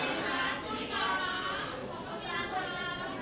สวัสดีครับคุณผู้ชม